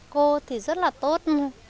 cô thì rất là tốt